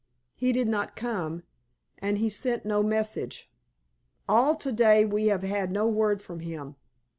He did not come, and he sent no message. All to day we have had no word from him.